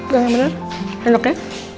gak enak benar enak ya